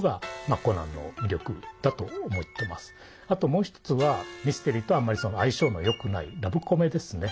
もう一つはミステリーとあんまり相性のよくないラブコメですね。